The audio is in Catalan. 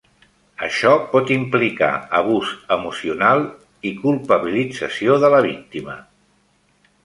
Això pot implicar abús emocional i culpabilització de la víctima.